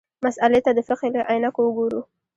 مسألې ته د فقهې له عینکو وګورو.